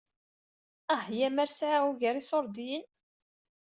Ah ya mer sɛiɣ ugar iṣuṛdiyen!